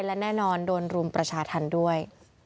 และแน่นอนโดนรุมประชาธรรมด้วย